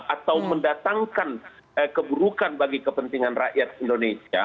atau mendatangkan keburukan bagi kepentingan rakyat indonesia